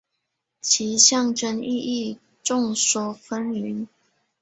其象征意义众说纷纭。